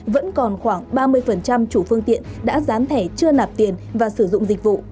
vẫn còn khoảng ba mươi chủ phương tiện đã dán thẻ chưa nạp tiền và sử dụng dịch vụ